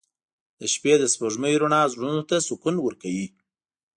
• د شپې د سپوږمۍ رڼا زړونو ته سکون ورکوي.